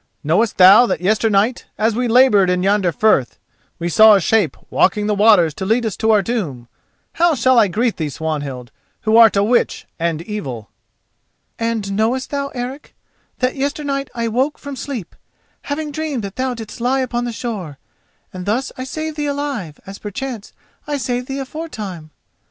Knowest thou that yesternight, as we laboured in yonder Firth, we saw a shape walking the waters to lead us to our doom? How shall I greet thee, Swanhild, who art a witch and evil?" "And knowest thou, Eric, that yesternight I woke from sleep, having dreamed that thou didst lie upon the shore, and thus I saved thee alive, as perchance I have saved thee aforetime?